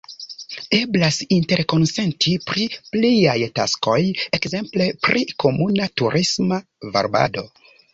Eblas interkonsenti pri pliaj taskoj, ekzemple pri komuna turisma varbado.